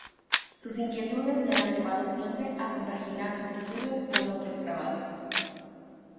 Sus inquietudes le han llevado siempre a compaginar sus estudios con otros trabajos.